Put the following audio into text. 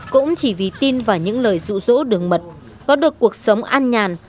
cũng chỉ vì tin và những lời rũ rỗ đường mật có được cuộc sống an nhàn